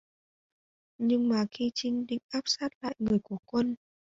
Nhưng mà khi trinh định áp sát lại người của quân